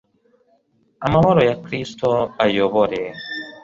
amahoro ya Kristo ayobore